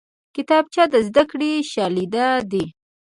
کتابچه د زدکړې شاليد دی